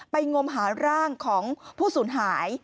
งมหาร่างของผู้สูญหาย